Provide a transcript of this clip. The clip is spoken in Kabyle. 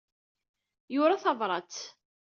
Yura tabṛat.